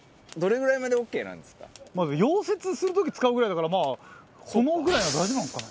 溶接する時に使うぐらいだから、まあ炎ぐらいは大丈夫なんですかね？